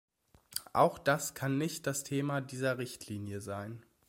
Auch das kann nicht das Thema dieser Richtlinie sein.